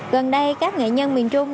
gần đây các nghệ nhân miền trung